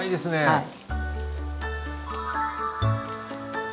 はい。